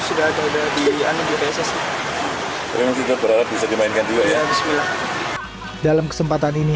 sudah ada di anu juga ssa ini juga berharap bisa dimainkan juga ya bismillah dalam kesempatan ini